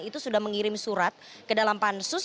itu sudah mengirim surat ke dalam pansus